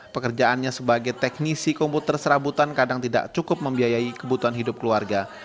pekerjaannya sebagai teknisi komputer serabutan kadang tidak cukup membiayai kebutuhan hidup keluarga